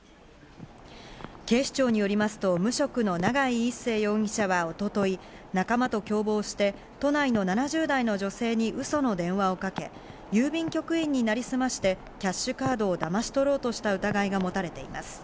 警視庁によりますと無職の永井壱聖容疑者は一昨日仲間と共謀して都内の７０代の女性に嘘の電話をかけ、郵便局員に成りすましてキャッシュカードをだまし取ろうとした疑いが持たれています。